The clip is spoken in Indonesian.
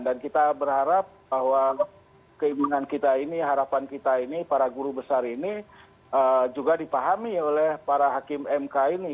dan kita berharap bahwa keinginan kita ini harapan kita ini para guru besar ini juga dipahami oleh para hakim mk ini